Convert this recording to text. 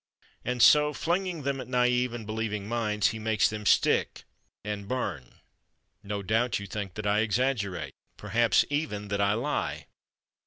And so, flinging them at naïve and believing minds, he makes them stick and burn. No doubt you think that I exaggerate—perhaps even that I lie.